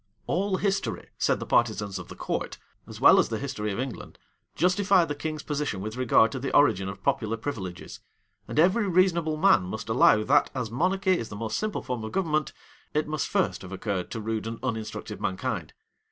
All history, said the partisans of the court, as well as the history of England, justify the king's position with regard to the origin of popular privileges; and every reasonable man must allow, that as monarchy is the most simple form of government, it must first have occurred to rude and uninstructed mankind.